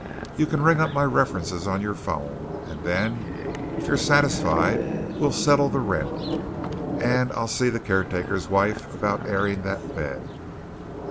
You can ring up my references on your 'phone, and then, if you're satisfied, we'll settle the rent, and I'll see the caretaker's wife about airing that bed."